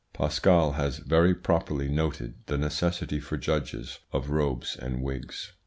Pascal has very properly noted the necessity for judges of robes and wigs.